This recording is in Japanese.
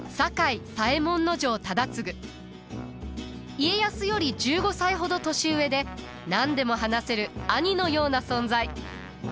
家康より１５歳ほど年上で何でも話せる兄のような存在。